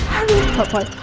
aduh pak mai